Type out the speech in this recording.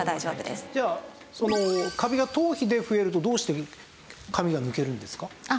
じゃあそのカビが頭皮で増えるとどうして髪が抜けるんですか？